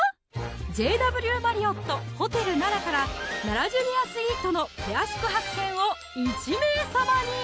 ＪＷマリオット・ホテル奈良から「ＮＡＲＡジュニアスイートのペア宿泊券」を１名様に！